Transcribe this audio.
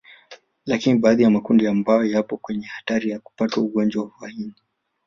Lakini baadhi ya makundi ambayo yapo kwenye hatari ya kupata ugonjwa wa ini